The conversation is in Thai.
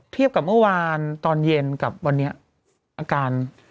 เทียบกับเมื่อวานตอนเย็นกับวันนี้อาการ